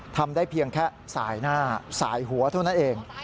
ทำได้เพียงแค่สายหน้าสายหัวเท่านั้นเอง